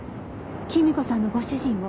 君子さんのご主人を。